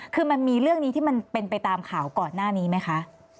คือมันมีเรื่องนี้ที่มันเป็นไปตามข่าวก่อนหน้านี้ไหมคะ